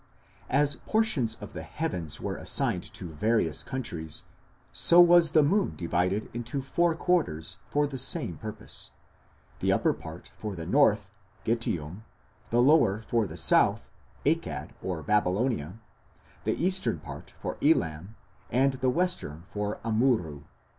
As portions of the heavens were assigned to various countries, so was the moon divided into four quarters for the same purpose the upper part for the north, Gutium, the lower for the south, Akkad or Babylonia, the eastern part for Elam, and the western for Amurru.